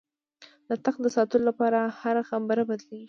د تخت د ساتلو لپاره هره خبره بدلېږي.